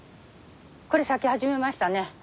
これ咲き始めましたね。